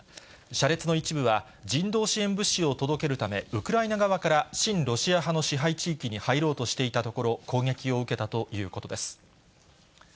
車列の一部は、人道支援物資を届けるため、ウクライナ側から親ロシア派の支配地域に入ろうとしていたところ、攻撃を受けたということです。